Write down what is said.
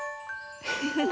フフフ。